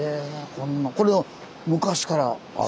これは昔からある？